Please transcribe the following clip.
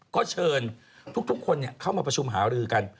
ก็เชิญทุกคนเข้ามาประชุมหารือกัน